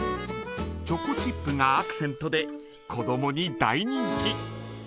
チョコチップがアクセントで子どもに大人気。